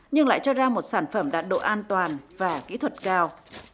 nhưng lại cho ra một sản phẩm đạt độ an toàn và kỹ thuật cao